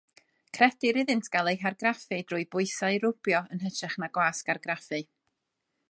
Credir iddynt gael eu hargraffu trwy bwysau rwbio, yn hytrach na gwasg argraffu.